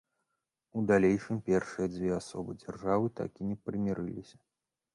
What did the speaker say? У далейшым першыя дзве асобы дзяржавы так і не прымірыліся.